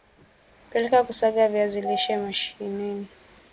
peleka kusaga viazi lishe mashineni